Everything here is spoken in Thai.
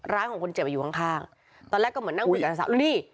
ร้านของคนเจ็บอยู่ข้างตอนแรกก็เหมือนนั่งบุญกาศาสตร์อุ้ยนี่